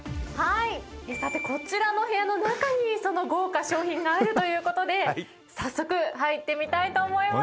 さてこちらの部屋の中に豪華賞品があるということで早速入ってみたいと思います。